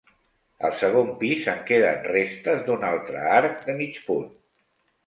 Al segon pis en queden restes d'un altre arc de mig punt.